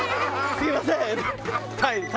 「すみません」。